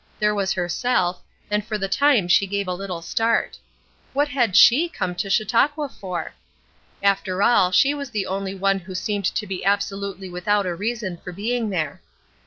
There was herself, and for the time she gave a little start. What had she come to Chautauqua for? After all she was the only one who seemed to be absolutely without a reason for being there.